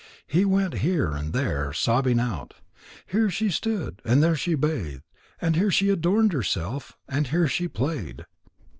He went here and there, sobbing out: "Here she stood. And here she bathed. And here she adorned herself. And here she played."